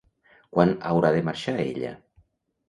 Quan haurà de marxar ella?